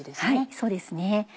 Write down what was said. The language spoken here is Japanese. そうですね